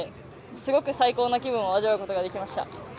すごく最高の気分を味わうことができました。